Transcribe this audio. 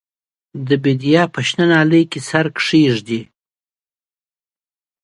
د بیدیا شنه نیالۍ کې سر کښېږدي